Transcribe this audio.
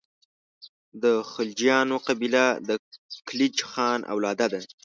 د خلجیانو قبیله د کلیج خان اولاد ده.